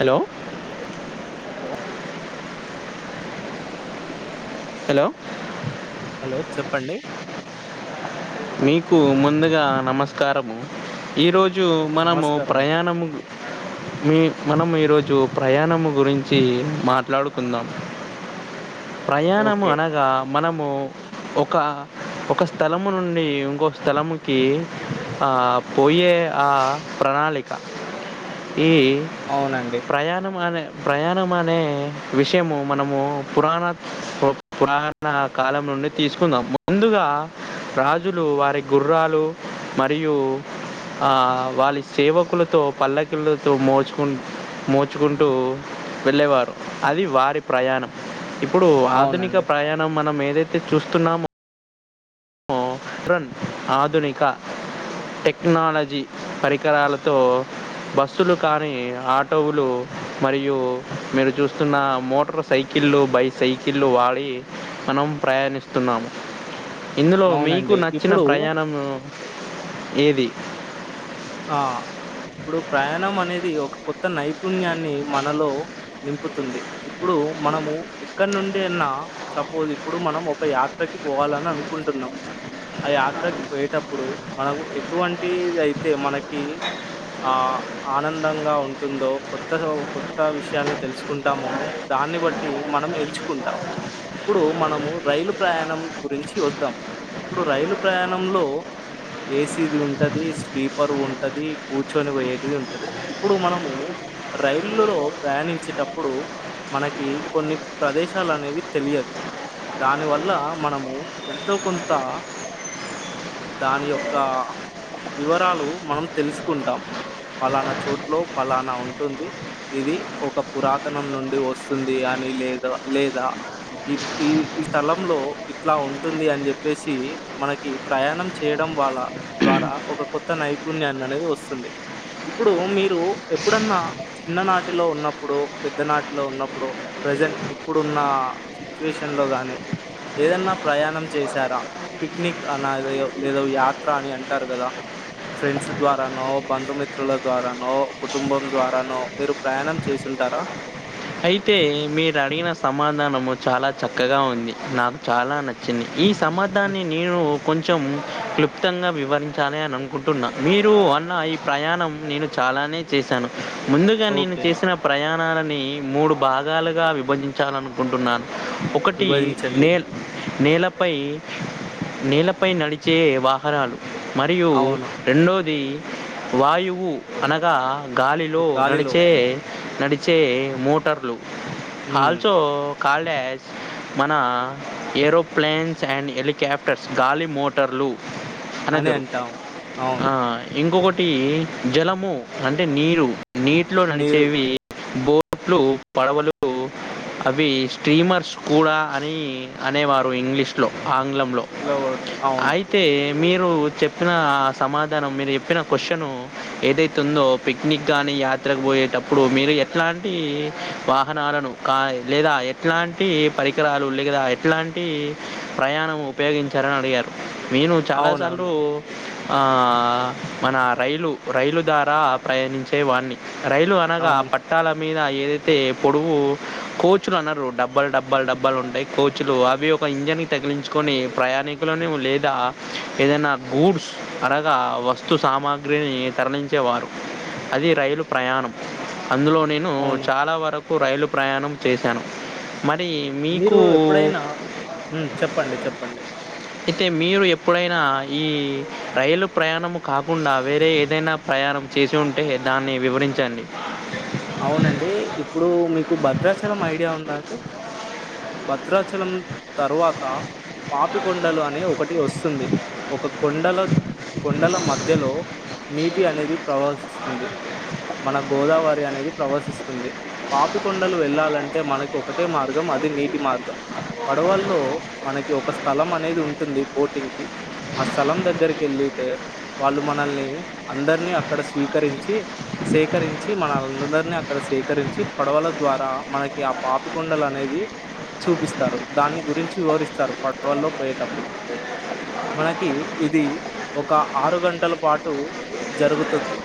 Hello లో hello hello చెప్పండి మీకు ముందుగా నమస్కారము ఈరోజు మనము నమస్కారం అండి ప్రయాణము గు మీ మనం ఈరోజు ప్రయాణం గురించి మాట్లాడుకుందాం ప్రయాణము ఓకే అనగా మనము ఒక ఒక స్థలము నుం డి ఇంకో స్థలముకి ఆ పోయే ఆ ప్రణాళిక. ఈ అవునండి ప్రయాణం అనే ప్రయాణం అనే విషయము మనము పురాణ పురాణ కాలం నుండి తీసుకుందాం ముందుగా రా జులు వారి గుర్రాలు మరియు ఆ వాళ్ళ సేవకులతో పల్లకిలతో మోచుకుం మోచుకుంటూ వెళ్ళేవారు అది వారి ప్రయాణం ఇప్పుడు ఆధునిక అవునండి ప్రయాణం మనం ఏదైతే చూస్తున్నామో మోడ్రన్ ఆధునిక టెక్నాలజీ పరికరాలతో బస్సులు కానీ ఆటోలు మరియు మీరు చూస్తున్న మోటర్ సైకిళ్ళు బై సైకిళ్ళు వాడి మనం ప్రయాణిస్తున్నాము ఇందులో మీకు అవునండి నచ్చిన ఇప్పుడు ప్రయాణం ఏది ఆ ఇప్పుడు ప్రయాణం అనేది ఒక కొత్త నైపుణ్యాన్ని మనలో నింపుతుంది ఇప్పుడు మనము ఎక్కడ నుండి అన్న సపోజ్ ఇప్పుడు మనం ఒక యాత్రకి పోవాలని అనుకుంటున్నాం ఆ యాత్రకి పోయేటప్పుడు మనకు ఎటువంటిదయితే మనకి ఆ ఆనందంగా ఉంటుందో కొత్తగా ఓ కొత్త విషయాలని తెలుసుకుంటామో దాన్ని బ ట్టే మనం ఎంచుకుంటాం ఉప్పుడు మనము రైలు ప్రయాణం గురించి చూద్దాం ఉప్పుడు రైలు ప్రయాణంలో ఏసీ ది ఉంటది స్లీ పరువుంటది కూర్చొని పోయేటిది ఉంటది ఉప్పుడు మనము రైలు లో ప్రయాణించేటప్పుడు మనకి కొన్ని ప్రదేశాలనేవి తెలియదు దాని వల్ల మనము ఎంతో కొంత దాని యొక్క టాలు మనం తెలుసుకుంటాం పలానా చోట్లో పలానా ఉంటుంది ఇది ఒక పురాతనం నుండి వస్తుంది అని లేదా లేదా ఈ ఈ ఈ స్థలంలో ఇట్లా ఉంటుంది అని చెప్పేసి మనకి ప్రయాణం చేయడం వల్ల ద్వారా ఒక కొత్త నైపుణ్యాన్ని అనేది వస్తుంది ఉప్పుడు మీరు ఎప్పుడన్నా చిన్ననాటిలో ఉన్నప్పుడు పెద్దనాటిలో ఉన్నప్పుడు ప్రజెంట్ ఇప్పుడున్న సిచ్యువేషన్ లో గానీ ఏదన్నా ప్రయాణం చేశారా పిక్నిక్ అనాదయో ఏదో యాత్ర అని అంటారు కదా ఫ్రెండ్స్ ద్వారానో బంధుమిత్రుల ద్వారానో కుటుంబం ద్వారానో మీరు ప్రయాణం చేసుంటారా అయితే మీరడిగిన సమాధానము చాలా చక్కగా ఉంది నా చాలా నచ్చింది ఈ హ్మ్. సమ్మతాన్ని నేను కొంచెం క్లుప్తంగా వివరించాలి అని అనుకుంటున్నా మీరు అన్న ఈ ప్రయాణం నేను చాలానే చేశాను ముందుగా నేను ఓకే చేసిన ప్రయాణాలని మూడు భాగాలుగా విభజించాలనుకుంటున్నాను ఒకటి విభజించండి నే నేలపై నేలపై నడిచే వాహనాలు మరియు అవును రెండోది వాయువు అనగా గాలిలో గాలిలో నడిచే నడిచే మోటార్లు ఉమ్ ఆల్ చో కాలేజ్ మన ఏరోప్లైన్స్ అండ్ హెలికేప్టర్స్ గాలి మో టర్లు అని అనెదరు అంటాం అవును ఆ ఇంకొకటి జలము అంటే నీరు నీటిలో మీరు నడిచేవి బో ర్లు పడవలు అవి స్టీమర్స్ కూడా అని అనేవారు ఇంగ్లీష్ లో ఆంగ్లంలో లో అవును తే మీరు చెప్పిన ఆ సమాధానం మీరు చెప్పిన కొసను ఏదైతో ఉందో పిక్నిక్ గానీ యాత్రకు పోయేటప్పుడు మీరు ఎట్లా ఈ వాహనాలను కాయ్ లేదా ఎట్లాంటి పరికరాలు ఉంది కదా లేదా ఎట్లా టి ప్రయాణం ఉపయోగించారని అడిగారు నేను చాలాసార్లు అవునవును ఆ మన రైలు రైలు దారా ప్రయాణించేవాన్ని రైలు అనగా అవును పట్టాల మీదా ఏదైతే పొడువు కోచులనరూ డబ్బాల్ డబ్బాల్ డబ్బాలుంటాయి కోచ్లు అవి ఒక ఇంజన్ కు తగిలించుకొని ప్రయాణికులను లేదా ఏదన్న గూడ్స్ అనగా వస్ స్తు సామాగ్రిని తరలించేవారు అది రైలు ప్రయాణం అందులోని ను అవును చాలా వరకు రైలు ప్రయాణం చేసాను మరి మీరు మీకూ ఎప్పుడైనా ఉమ్ చెప్పండి చెప్పండి యితే మీరు ఎప్పుడైనా ఈ రైలు ప్రయాణము కాకుండా వేరే ఏదైనా పయానం చేసి ఉంటే దాన్ని వివరించండి అవునండి ఇప్పుడు మీకు భద్రాచలం ఐడియా ఉందా అండి భద్రాచలం తరువాత పాపికొండలు అనే ఒకటి ఓస్తుంది ఒక కొండలో కొండల మధ్యలో నీటి అనేది ప్రవసిస్తుంది మన గోదావరి అనేది ప్రవసిస్తుంది పాపికొండలు వెళ్లాలంటే మనకి ఒకటే మార్గం అది నీటి మార్గం పడవల్లో మనకి ఒక స్థలం అనేది ఉంటుంది బోటింగ్ కి ఆ స్థలం దగ్గరికేళ్ళితే వాళ్ళు మనల్ని అందరినీ అక్కడ స్వీకరించి సేకరించి మనల్ అందరిని అక్కడ సేకరించి పడవల ద్వారా మనకి ఆ పాపికొండల్ అనేది చూపిస్తారు దాని గురించి వివరిస్తారు పట్ వల్లో పోయేటప్పుడు మనకి ఇది ఒక ఆరు గంటల పాటు జరుగుతుద్ది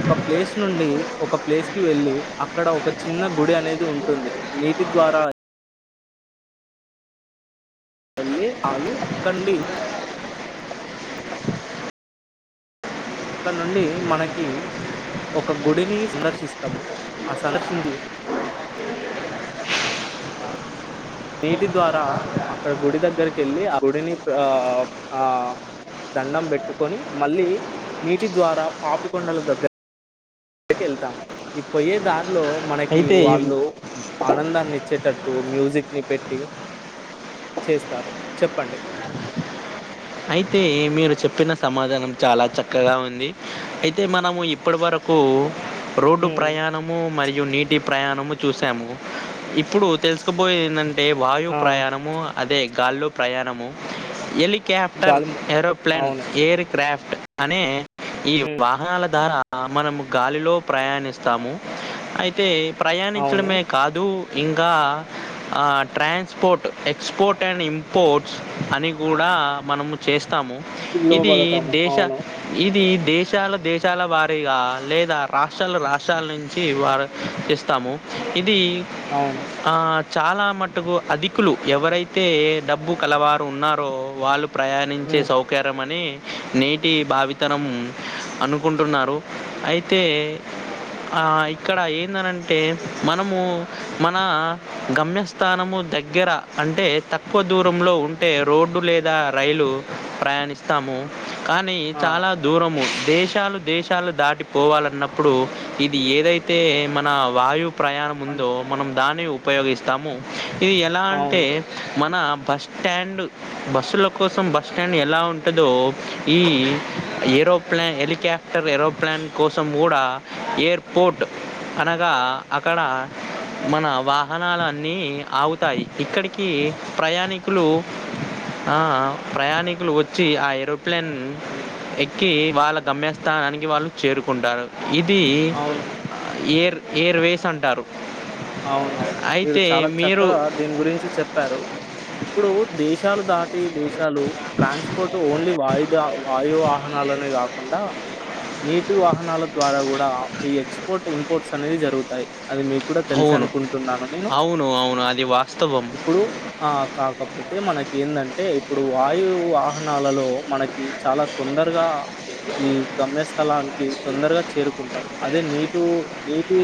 ఒక ప్లేస్ నుండి ఒకప్ ప్లేస్కి వెళ్ళి అక్కడ ఒక చిన్న గుడి అనేది ఉంటుంది నీటి ద్వారా ఎల్లీ ఆగి అక్కనుండి అక్కనుండి మనకి ఒక గుడిని సందర్శిస్తాం ఆ సందర్శింది నీటి ద్వారా అక్కడ గుడి దగ్గరకేళ్ళి ఆ గుడిని ఆప్ అ దండం బేట్టుకొని మళ్ళీ నీటి ద్వారా పాపికొండల దగ్గ క్కకేళ్తామ్ ఈ పోయే దారిలో మనకి అయితే వాళ్ళు ఆనందాన్నిచ్చేటట్టు మ్యూజిక్ ని పెట్టి చేస్తారు చెప్పండి అయితే మీరు చెప్పిన సమాధానం చాలా చక్కగా ఉంది అయితే మనము ఇప్పడి వరం కు రోడ్డు ఉమ్, ప్రయాణం ము మరియు నీటి ప్రయాణము చూసాము ఇప్పుడు తెలుస్కుబోయిందేన్ టె వాయు ఆ ప్రయాణము అదే గాల్లో ప్రయాణము ఎలి క్యాప్టర్ గాలి ఏరోప్లేన్ అవును ఎయిర్ క్రాఫ్ట్ అనే ఈ హ్మ్. వాహనాల దారా ఆ మనము గాలిలో ప్రయాణిస్తాము అయితే అవును. ప్రయాణించడమే క్ కాదు ఇంగా ఆ ట్రాన్స్పోర్ట్ ఎక్స్పోర్ట్ అండ్ ఇం పోర్ట్స్ అని గూడా మనము చేస్తాము ఇది లోబడతాము. దేశ అవును. ఇది దేశాల దేశాల వారీగా లేదా రాష్ట్రాలు రాష్ట్రాల నుంచి వార్ ఇస్తాము ఇది అవును ఆ చాలా మటుకు అధికులు ఎవరైతే డబ్బు కలవారు ఉన్నారో వాళ్ళు ప్రయాణించే హ్మ్. సౌకార్య మని నేటి భావితరం అనుకుంటున్నారు అయితే ఆ ఇక్కడ ఏందనంటే మనము మన గమ్యస్ స్థానము దగ్గర అంటే తక్కువ దూరంలో ఉంటే రోడ్డు లేదా రైలు ప్రయాణిస్తాము కానీ ఆ! చాలా దూరము దేశాలు దేశాలు దాటిపోవాలన్నప్పుడు ఇది ఏదైతే మన వాయు అది ప్రయాణముందో మనం దాన్ని ఉపయోగిస్తాము ఇది ఎలా అంటే అవును. మన బస్ స్టాండు బస్సులో కోసం బస్ స్టాండేలా ఉంటదో ఈ ఏరోప్లేన్ ఎలికాఫ్ క్టర్ ఏరోప్లాన్ కోసం ఊడా ఎయిర్పోర్ట్ అనగా అక్కడ మన వాహనలన్నీ ఆవుతాయి ఇక్కడ్కి ప్రయాణికులు ఆ ప్రయాణికులు ఓచ్చి ఆ ఏరోప్లేన్ ఎక్కి వాళ్ళ గమ్యస్థానానికి వాళ్ళు చేరుకుంటారు. ఇది అవును. ఎర్ ఎర్ వేసంటారు. అవునవును మీరు చాలా మీరు చక్కగా దీని గురించి చెప్పారు. ఇప్పుడు దేశాలు దాటి దేశాలు ట్రాన్స్పోర్ట్ ఓన్లీ వాయిద వాయువా. వాహనాలునే కాకుండా నీటి వాహనాల ద్వారా కూడా ఈ ఎక్స్పోర్ట్ ఇంపోర్ట్స్ అనేది జరుగుతాయి అది మీకు కూడా. అవును తెల్సనుకుంటున్నాను నేను అవును అవును అది వాస్తవం. ఇప్పుడు. ఆ కాకపోతే మనకేందంటే ఇప్పుడు వాయు వాహనాలలో మనకి చాలా. తొందరగా. ఈ గమ్యస్థలానికి తొందర్గా చేరుకుంటాం అదే నీటు నీ. టి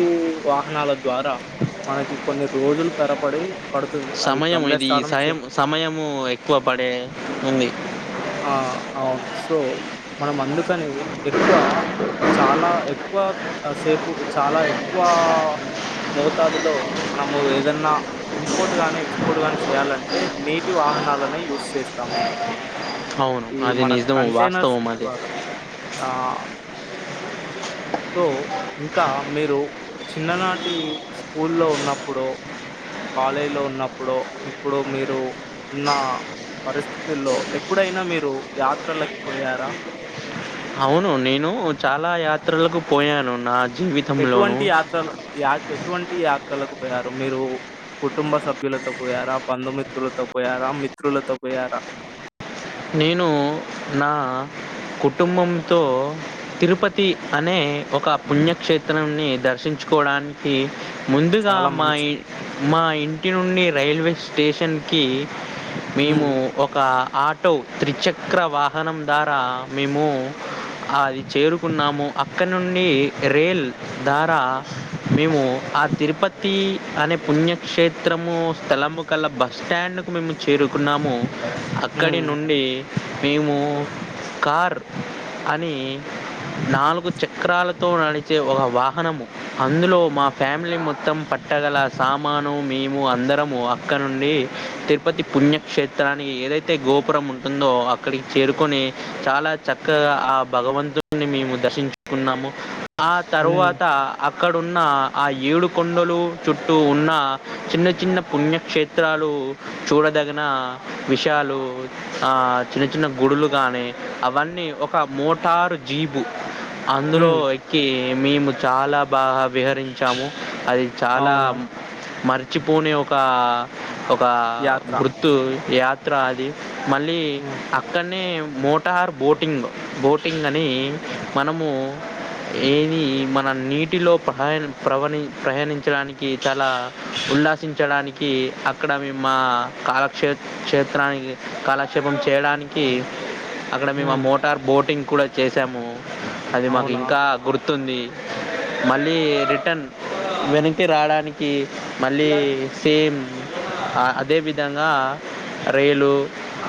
వాహనాల ద్వారా మనకి కొన్ని రోజులు తరపడి. సమయం ఇది ఈ సయం సమయము ఎక్కువ పడే ఉంది. ఆ అవును సో మనం అందుకనే ఎక్కువ. చాలా ఎక్కువ సేపు చాలా ఎక్కువా. మోతాదులో మనము ఏదన్నా. ఇంపోర్ట్ గాని ఎక్స్పోర్ట్ గానీ చేయాలంటే నీటి వాహనాలనే యూస్ చేస్తాము. అవును ఈ అది మన నిజం కంటైనర్స్ వాస్తవం అది. ద్వారా ఆ సో ఇంకా మీరు చిన్ననాటి స్కూల్లో ఉన్నప్పుడు. కాలేజ్లో ఉన్నప్పుడో ఇప్పుడు మీరు ఉన్న. పరిస్థితుల్లో ఎప్పుడైనా మీరు యాత్రలకి పోయారా. అవును నేను చాలా యాత్రలకు పోయాను నా జీవి. ఎటువంటి యాత్రలు యా ఎటువంటి యాత్రలకు పోయారు మీరు. కుటుంబ సభ్యులతో పోయారా బంధుమిత్రులతో పోయారా మిత్రులతో పోయారా. నేను నా కుటుంబంతో. తిరుపతి అనే ఒక పుణ్యక్షేత్రాన్ని దర్శించుకోడానికి. ముందుగా చాలా మా మంచి ఇ మా ఇంటి నుండి రైల్వే స్టేషన్కి. మేము హ్మ్ ఒక ఆ. ఆటో త్రిచక్ర వాహనం ద్వారా మేము. అది చేరుకున్నాము అక్కడినుండి రైల్ ద్వారా. మేము ఆ తిరుపతి అనే పుణ్యక్షేత్రము స్థలము. కళ్ళా బస్ స్టాండ్కు మేము చేరుకున్నాము. అక్కడి హ్మ్ నుండి మేము కార్. అని నాలుగు చక్రాలతో నడిచే ఒ వాహనము. అందులో మా ఫ్యామిలీ మొత్తం పట్టగల సామాను మేము అందరము అక్కడినుండి. తిరుపతి పుణ్యక్షేత్రాని ఏదైత్తే. తే గోపురం ఉంటుందో అక్కడికి చేరుకొని చాలా చక్కగా ఆ భగవంతు. మేము దర్శించుకున్నాము ఆ హ్మ్ తరువాత‌. అక్కడున్న ఆ ఏడు కొండలు చుట్టూ ఉన్న చిన్న చిన్న పుణ్యక్షేత్రాలు. చూడదగిన విష. క్యాలు ఆ చిన్న చిన్న గుడులు గాని అవన్నీ ఒక మోటారు జీబు అందులో. హ్మ్ కి మేము చాలా బాగా విహరించాము అది చాలా. అవునా మర్చిపోని ఒక ఒక యాత్ర గుర్తు యా త్రా అది మళ్ళీ. హ్మ్ కాన్నీ మోటార్ బోటింగ్ బోటింగ్ అని మనము. ఏది మన నీటిలో ప్ర ప్రవణి ప్రయాణించడానికి చాలా ఉల్లాస్ చించడానికి అక్కడ మే మా కాలక్షేే క్షేే ప్రయి కాలక్షేపం చేయ్డానికి అక్కడ మేము ఆ హ్మ్ మో టర్ బోటింగ్ కూడా చేసాము అది మాక్ అవునా ఇంకా గు తుంది మల్లీ రిటర్న్ వెనక్కి రావ్డానికి కి మళ్ళీ సేమ్ అదే విధంగా రైలు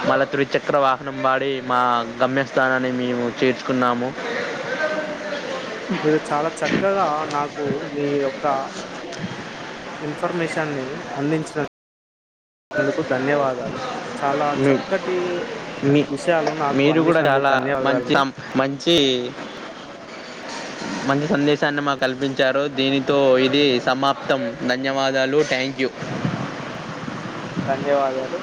మళ్ళా త్రి చక్ర వాహనం వాడి మా గమ్యస్థానాన్ని మేము చేర్చుకున్నాము మీరు చాలా చక్కగా నాకు మీ యొక్క ఇన్ఫర్మేషన్ని అందించినందుకు ధన్యవాదాలు చాలా చక్కటి మీ విషయాలు నాకు మీరు కూడా అందించ్నందుకు చాలా మంచి ధన్యవాదాలండి సం- మంచి మంచి సందేశాన్ని మాక్ కల్పించారు దీనితో ఇది సమాప్తం ధన్యవాదాలు థ్యాంక్ యూ ధన్యవాదాలు